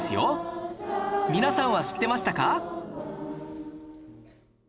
皆さんは知ってましたか？